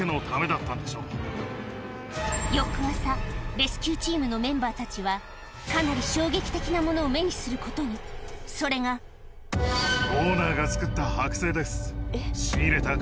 レスキューチームのメンバーたちはかなり衝撃的なものを目にすることにそれがして飾っていたそうです。